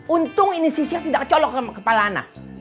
untung ini sisir tidak kecolok sama kepala ana